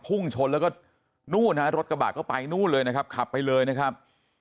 พุ่งชนแล้วก็นู่นฮะรถกระบะก็ไปนู่นเลยนะครับขับไปเลยนะครับ